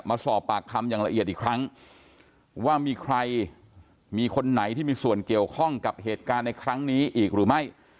มาสอบปากคำอย่างละเอียดอีกครั้งว่ามีใครมีคนไหนที่มีส่วนเกี่ยวข้องกับเหตุการณ์ในครั้งนี้อีกหรือไม่